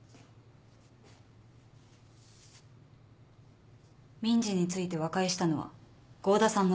民事について和解したのは合田さんのみです。